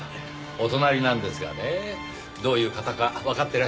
お隣なんですがねどういう方かわかってらっしゃいますか？